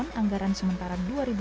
anggaran sementara dua ribu dua puluh